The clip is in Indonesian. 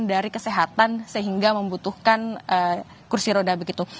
dari kesehatan sehingga membutuhkan kursi roda begitu